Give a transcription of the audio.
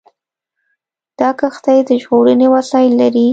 دا کښتۍ د ژغورنې وسایل لري.